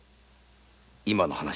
今の話。